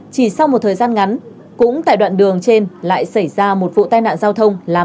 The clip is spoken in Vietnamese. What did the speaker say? chỉ sau một thời gian ngắn cũng tại đoạn đường trên lại xảy ra một vụ tai nạn giao thông làm